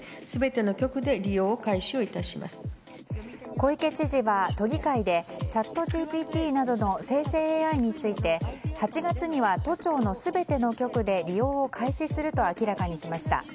小池知事は都議会でチャットＧＰＴなどの生成ＡＩについて８月には、都庁の全ての局で利用を開始すると明らかにしました。